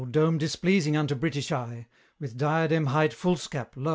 dome displeasing unto British eye! With diadem hight foolscap, lo!